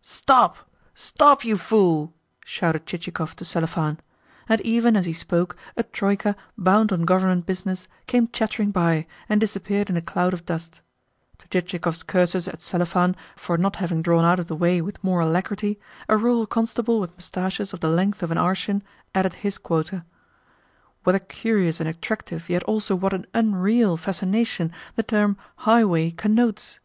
"Stop, stop, you fool!" shouted Chichikov to Selifan; and even as he spoke a troika, bound on Government business, came chattering by, and disappeared in a cloud of dust. To Chichikov's curses at Selifan for not having drawn out of the way with more alacrity a rural constable with moustaches of the length of an arshin added his quota. What a curious and attractive, yet also what an unreal, fascination the term "highway" connotes!